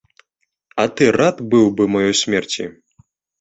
А ты рад быў бы маёй смерці?